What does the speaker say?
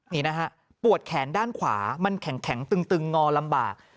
นี่นะฮะปวดแขนด้านขวามันแข็งตึงงอลำบาก